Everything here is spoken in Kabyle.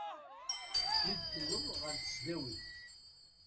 Mi d-tewweḍ ɣer tesdawit.